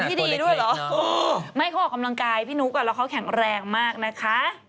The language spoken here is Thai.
ที่ดีด้วยเหรอไม่เขาออกกำลังกายพี่นุ๊กแหลงแรงมากนะคะ